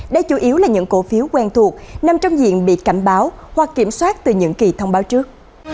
đây chủ yếu là những cổ phiếu quen thuộc nằm trong diện bị cảnh báo hoặc kiểm soát từ những kỳ thông báo trước